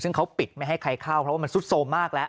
ซึ่งเขาปิดไม่ให้ใครเข้าเพราะว่ามันซุดโทรมมากแล้ว